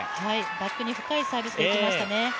バックに深いサービスできましたね。